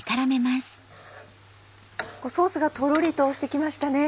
ソースがトロリとしてきましたね。